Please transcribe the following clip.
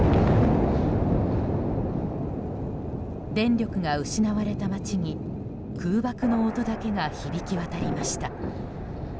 電力が失われた街に空爆の音だけが響き渡りました。